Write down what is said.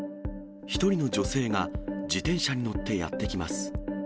１人の女性が自転車に乗ってやって来ます。